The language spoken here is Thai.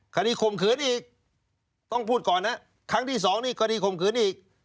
ข่มขืนอีกต้องพูดก่อนนะครั้งที่สองนี่คดีข่มขืนอีก